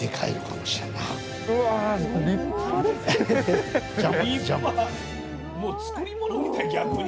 もう作り物みたい逆に。